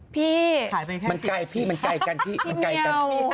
พี่ขายไปแค่๔ตัว